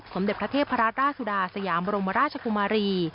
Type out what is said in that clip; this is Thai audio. สมเด็จพระเทพราชสุดาสยามบรมราชกุมารี